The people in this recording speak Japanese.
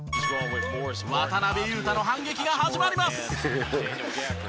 渡邊雄太の反撃が始まります！